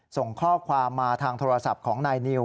ส่งข้อความมาทางโทรศัพท์ของนายนิว